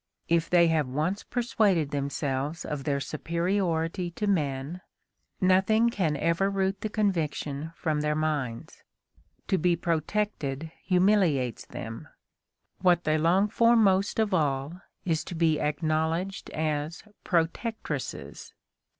If they have once persuaded themselves of their superiority to men, nothing can ever root the conviction from their minds. To be protected humiliates them; what they long for most of all is to be acknowledged as protectresses.